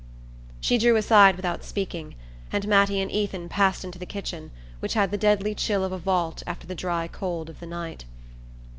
She drew aside without speaking, and Mattie and Ethan passed into the kitchen, which had the deadly chill of a vault after the dry cold of the night.